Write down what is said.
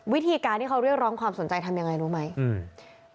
วิธีการที่เขาเรียกร้องความสนใจทำยังไงรู้ไหมอืม